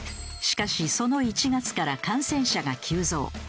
しかしその１月から感染者が急増。